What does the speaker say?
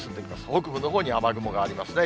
北部のほうに雨雲がありますね。